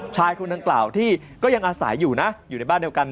ชายคนดังกล่าวที่ก็ยังอาศัยอยู่นะอยู่ในบ้านเดียวกัน